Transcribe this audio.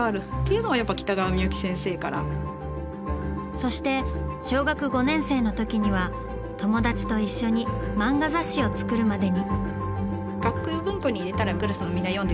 そして小学５年生の時には友達と一緒に漫画雑誌を作るまでに。